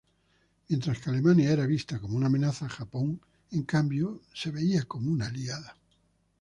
Mientras que Alemania era vista como una amenaza, Japón era vista como una aliada.